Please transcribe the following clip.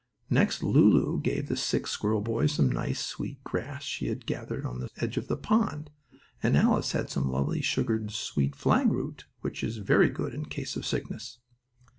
Next Lulu gave the sick squirrel boy some nice, sweet grass she had gathered on the edge of the pond, and Alice had some lovely sugared sweet flag root, which is very good in case of sickness.